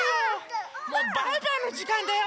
もうバイバイのじかんだよ！